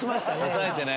抑えてね。